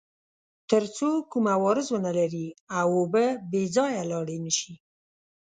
تر څو کوم عوارض ونلري او اوبه بې ځایه لاړې نه شي.